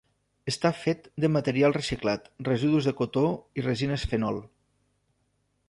Està fet de material reciclat, residus de cotó i resines fenol.